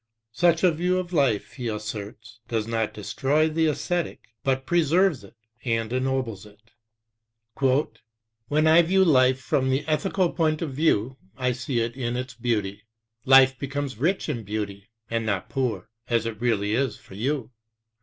Such a view of life, he asserts, does not destroy the esthetic, but preserves it and ennobles it. "When I view life from thq ethical point of view, I see it in its beauty. Life becomes rich in beauty, and not poor, as it really is for you.